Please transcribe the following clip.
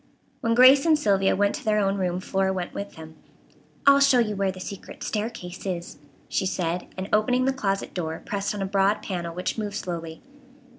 When Grace and Sylvia went to their own room Flora went with them. "I'll show you where that secret staircase is," she said, and opening the closet door pressed on a broad panel which moved slowly.